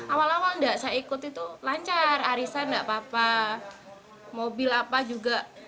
awal awal enggak saya ikut itu lancar arisan nggak apa apa mobil apa juga